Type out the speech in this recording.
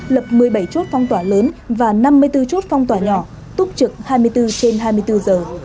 lập một mươi bảy chốt phong tỏa lớn và năm mươi bốn chốt phong tỏa nhỏ túc trực hai mươi bốn trên hai mươi bốn giờ